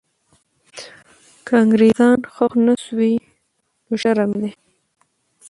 که انګریزان ښخ نه سوي، نو شرم یې دی.